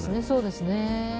そうですね。